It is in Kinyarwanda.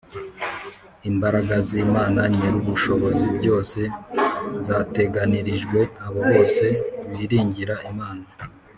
imbaraga z’imana nyirubushobozi bwose zateganirijwe abo bose biringira imana